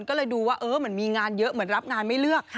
ก็เลยดูว่าเหมือนมีงานเยอะเหมือนรับงานไม่เลือก